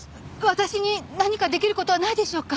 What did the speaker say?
私に何か出来る事はないでしょうか？